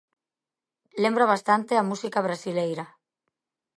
Lembra bastante a música brasileira.